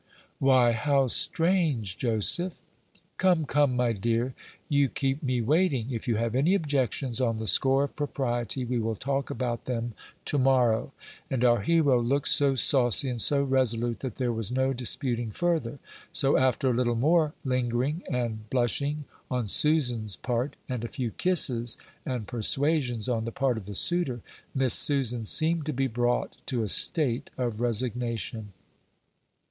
"Why, how strange, Joseph!" "Come, come, my dear, you keep me waiting. If you have any objections on the score of propriety, we will talk about them to morrow;" and our hero looked so saucy and so resolute that there was no disputing further; so, after a little more lingering and blushing on Susan's part, and a few kisses and persuasions on the part of the suitor, Miss Susan seemed to be brought to a state of resignation.